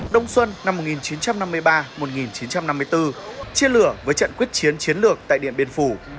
đông xuân năm một nghìn chín trăm năm mươi ba một nghìn chín trăm năm mươi bốn chia lửa với trận quyết chiến chiến lược tại điện biên phủ